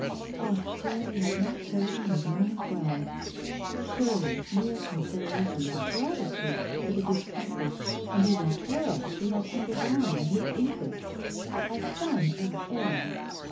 Ah, Jeremy had not chosen his moment well ! Surely, mere considera tions of gratitude for the discomfort and even peril she had undergone in his interests — a son and heir!